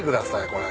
これ。